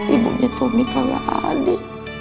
ibunya tommy kagak ada